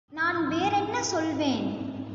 நான் வேறென்ன சொல்வேன்?